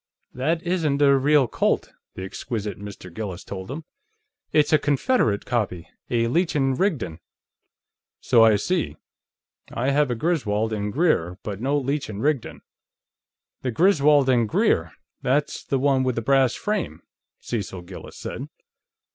"That isn't a real Colt," the exquisite Mr. Gillis told him. "It's a Confederate copy; a Leech & Rigdon." "So I see. I have a Griswold & Grier, but no Leech & Rigdon." "The Griswold & Grier; that's the one with the brass frame," Cecil Gillis said.